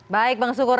baik bang sukur